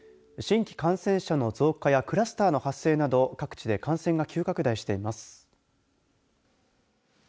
新規感染者の増加やクラスターの発生など各地で感染が急拡大しています。